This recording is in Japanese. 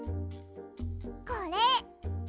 これ。